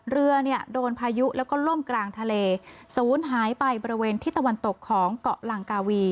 เรือเนี่ยโดนพายุแล้วก็ล่มกลางทะเลศูนย์หายไปบริเวณที่ตะวันตกของเกาะลังกาวี